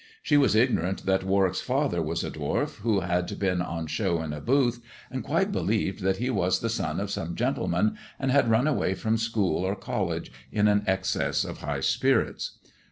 She was ignorant that Warwick's father was a dwarf who had been on show in a booth, and quite believed that he was the son of some gentleman, and had run away from school or college in an excess of high spirits.